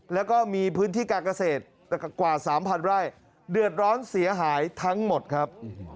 แล้วก็มีพื้นที่การเกษตรกว่า๓๐๐ไร่เดือดร้อนเสียหายทั้งหมดครับ